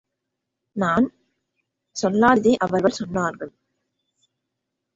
நாம் சொல்லாததை அவர்கள் சொன்னார்கள்.